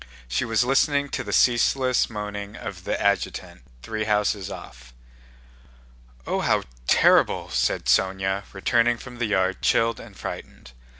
She was listening to the ceaseless moaning of the adjutant, three houses off. "Oh, how terrible," said Sónya returning from the yard chilled and frightened.